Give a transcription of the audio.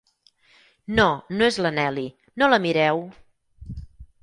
No, no és la Nelly; no la mireu!